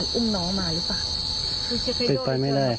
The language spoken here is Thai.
สงสารเด็ก